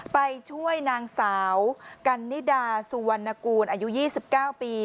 ไปช่วยนางสาวกันนิดาสุวรรณกูลอายุ๒๙ปี